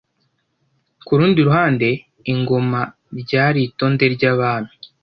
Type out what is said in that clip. Ku rundi ruhande, ingoma ryari “Itonde Ry’abami”